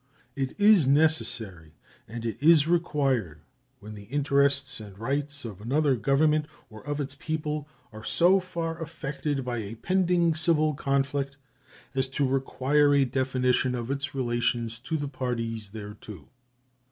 It is necessary, and it is required, when the interests and rights of another government or of its people are so far affected by a pending civil conflict as to require a definition of its relations to the parties thereto.